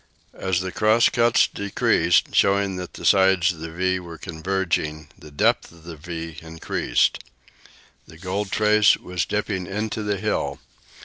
As the cross cuts decreased, showing that the sides of the "V" were converging, the depth of the "V" increased. The gold trace was dipping into the hill.